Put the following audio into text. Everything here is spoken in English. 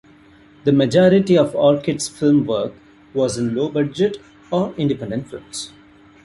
The majority of Arquette's film work was in low-budget or independent films.